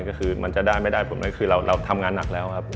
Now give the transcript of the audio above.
ก็คือมันจะได้ไม่ได้ผลก็คือเราทำงานหนักแล้วครับ